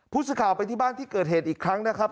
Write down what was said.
ผู้สื่อข่าวไปที่บ้านที่เกิดเหตุอีกครั้งนะครับ